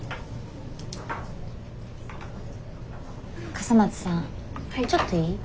笠松さんちょっといい？